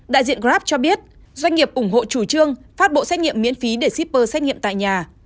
đại diện grab cho biết doanh nghiệp ủng hộ chủ trương phát bộ xét nghiệm miễn phí để shipper xét nghiệm tại nhà